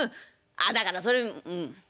あだからそれうん。